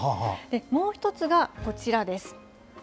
もう１つがこちらです。